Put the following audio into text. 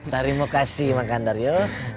tarimu kasih mang kandar yuk